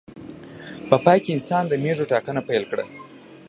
په پای کې انسان د مېږو ټاکنه پیل کړه.